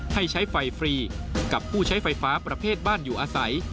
ให้ใช้ไฟฟรีกับผู้ใช้ไฟฟ้าประเภทบ้านอยู่อาศัย